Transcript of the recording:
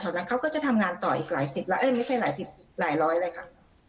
นั้นเขาก็จะทำงานต่ออีกหลายสิบแล้วเอ้ยไม่ใช่หลายสิบหลายร้อยเลยค่ะ